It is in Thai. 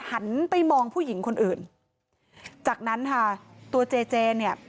หันไปมองผู้หญิงคนอื่นจากนั้นค่ะตัวเจเจเนี่ย